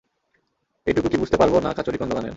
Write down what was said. এইটুকু কি বুঝতে পারবো না কাচুরী কোন দোকানের!